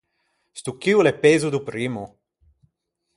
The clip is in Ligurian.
Sto chì o l’é pezo do primmo.